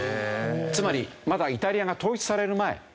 つまりまだイタリアが統一される前。